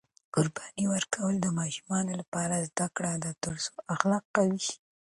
قرباني ورکول د ماشومانو لپاره زده کړه ده ترڅو اخلاق قوي شي.